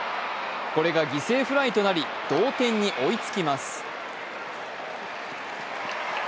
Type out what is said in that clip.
これが犠牲フライとなり同点に追いつきます。